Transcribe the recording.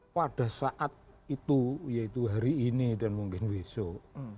pada saat itu yaitu hari ini dan mungkin besok